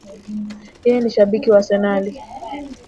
yeye ni shabiki wa arsenali.